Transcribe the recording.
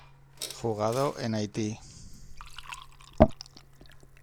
Jugado en Haiti.